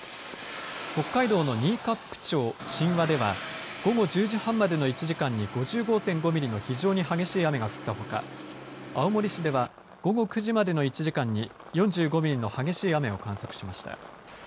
北海道の新冠町新和では午後１０時半までの１時間に５５．５ミリの激しい雨が降ったほか青森市では午後９時までの１時間に４５ミリの激しい雨を観測しました。